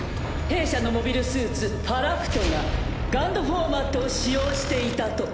弊社のモビルスーツファラクトがＧＵＮＤフォーマットを使用していたと。